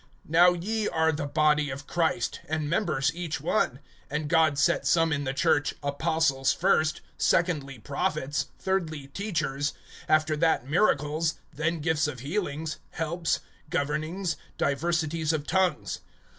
(27)Now ye are the body of Christ, and members each one[12:27]. (28)And God set some in the church, apostles first, secondly prophets, thirdly teachers, after that miracles, then gifts of healings, helps, governings, diversities of tongues.